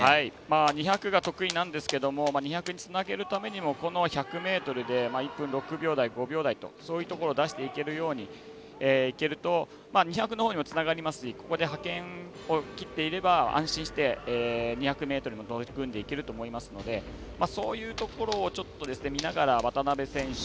２００が得意なんですけども２００につなげるためにもこの１００ｍで１分６秒台、５秒台とそういうところを出していけるようにいけると２００のほうにもつながりますしここで派遣を切っていれば安心して２００ｍも取り組んでいけると思いますのでそういうところを見ながら渡部選手。